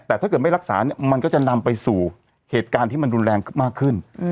แต่ถ้าเกิดไม่รักษาเนี่ยมันก็จะนำไปสู่เหตุการณ์ที่มันรุนแรงมากขึ้น